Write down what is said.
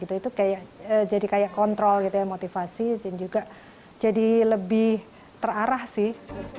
itu kayak jadi kayak kontrol gitu ya motivasi dan juga jadi lebih terarah sih